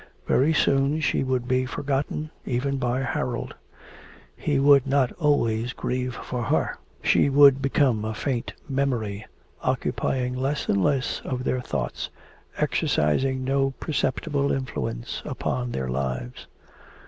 Very soon she would be forgotten even by Harold. He could not always grieve for her. She would become a faint memory, occupying less and less of their thoughts, exercising no perceptible influence upon their lives.